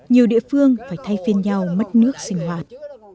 nhiều địa phương phải thay phiên nhau mất nước sinh hoạt